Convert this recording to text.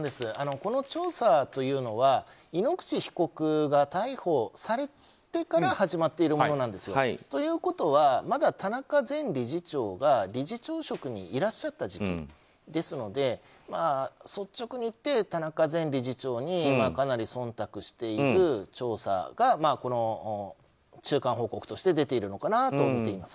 この調査というのは井ノ口被告が逮捕されてから始まっているものなんです。ということはまだ田中前理事長が理事長職にいらっしゃった時期ですので率直に言って、田中前理事長にかなり忖度している調査が中間報告として出ているのかなと思います。